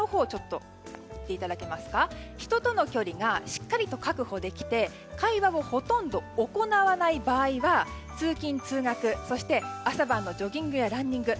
人との距離がしっかり確保できて会話をほとんど行わない場合は通勤・通学、そして朝晩のジョギングやランニング